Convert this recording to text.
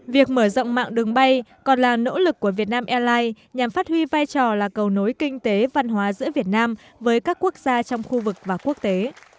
việc mở rộng mạng đường bay còn là nỗ lực của việt nam airlines nhằm phát huy vai trò là cầu nối kinh tế văn hóa giữa việt nam với các quốc gia trong khu vực và quốc tế